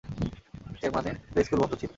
এর মানে প্লেস্কুল বন্ধ ছিল।